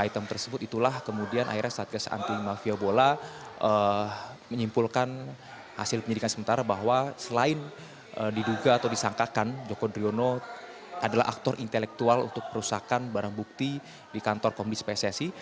item tersebut itulah kemudian akhirnya satgas anti mafia bola menyimpulkan hasil penyidikan sementara bahwa selain diduga atau disangkakan joko driono adalah aktor intelektual untuk perusahaan barang bukti di kantor komdis pssi